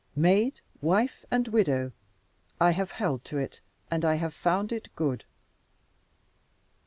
Maid, wife, and widow, I have held to it, and I have found it good.